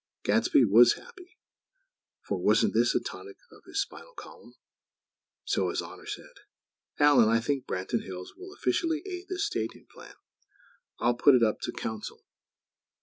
Gadsby was happy; for, wasn't this a tonic for his spinal column? So His Honor said; "Allan, I think Branton Hills will officially aid this stadium plan. I'll put it up to Council."